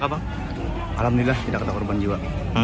alhamdulillah tidak ada korban jiwa